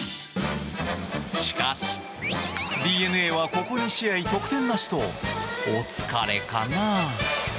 しかし、ＤｅＮＡはここ２試合得点なしとお疲れかな。